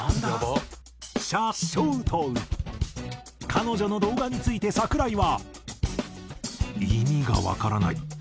彼女の動画について櫻井は。